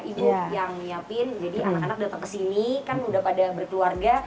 ibu yang nyiapin jadi anak anak datang ke sini kan udah pada berkeluarga